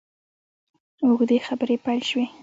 اوږدې خبرې پیل شوې.